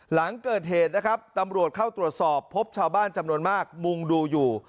หลังเกิดเหตุนะครับตำรวจเข้าตรวจสอบพบชาวบ้านจำนวนมากมุงดูอยู่